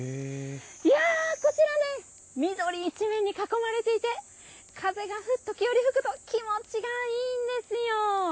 いやこちら緑一面に囲まれていて風が時折吹くと気持ちがいいんですよ。